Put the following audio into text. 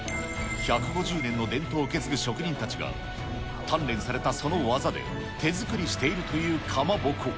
１５０年の伝統を受け継ぐ職人たちが、鍛錬されたその技で、手作りしているというそのかまぼこ。